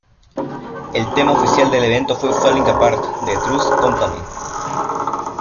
El tema oficial del evento fue ""Falling Apart"" de Trust Company.